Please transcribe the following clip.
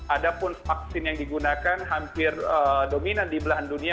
ada pun vaksin yang digunakan hampir dominan di belahan dunia